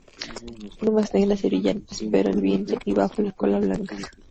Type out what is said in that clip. Plumas negras y brillantes, pero en el vientre y bajo la cola blancas.